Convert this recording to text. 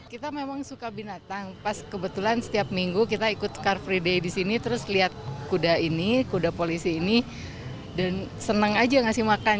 kita memang suka binatang pas kebetulan setiap minggu kita ikut car free day di sini terus lihat kuda ini kuda polisi ini dan senang aja ngasih makan